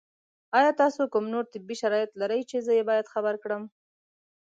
ایا تاسو کوم نور طبي شرایط لرئ چې زه یې باید خبر کړم؟